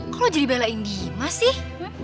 kok lo jadi belain dimas sih